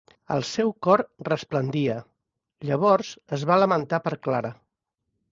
El seu cor resplendia; llavors es va lamentar per Clara.